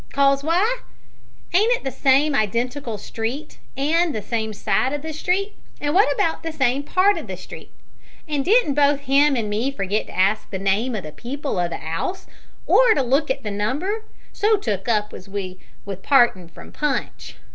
'Cause why? Ain't it the same identical street, an' the same side o' the street, and about the same part o' the street? An' didn't both him and me forgit to ask the name o' the people o' the 'ouse, or to look at the number so took up was we with partin' from Punch?